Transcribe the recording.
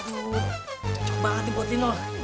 cukup banget nih buat lo